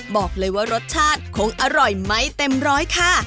บอกเลยว่ารสชาติคงอร่อยไม่เต็มร้อยค่ะ